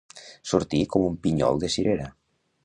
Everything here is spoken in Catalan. Sortir com un pinyol de cirera.